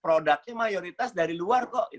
produknya mayoritas dari luar kok